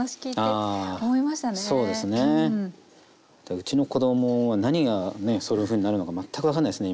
うちの子供は何がねそういうふうになるのか全く分かんないっすね